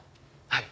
はい。